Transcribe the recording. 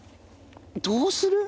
どうする？